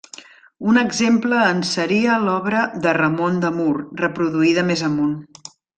Un exemple en seria l'obra de Ramon de Mur reproduïda més amunt.